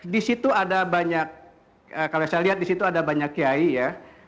di situ ada banyak kalau saya lihat di situ ada banyak kiai ya